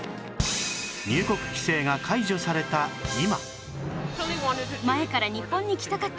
入国規制が解除された今